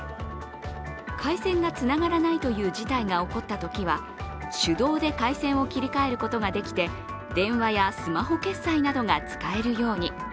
回線がつながらないという事態が起こったときは手動で回線を切り替えることができて電話やスマホ決済などが使えるように。